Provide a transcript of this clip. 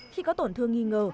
khi có tổn thương nghi ngờ